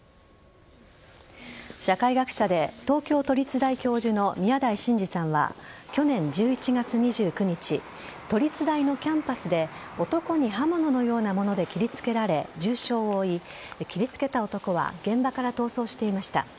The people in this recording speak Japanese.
社会学者で東京都立大教授の宮台真司さんは去年１１月２９日都立大のキャンパスで男に刃物のようなもので切りつけられ重傷を負い切りつけた男は現場から逃走していました。